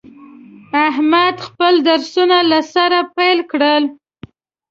احمد خپل درسونه له سره پیل کړل.